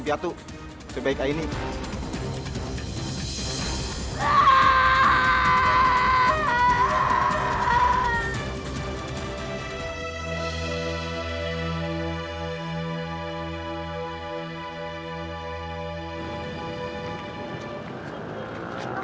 kamu kemana kak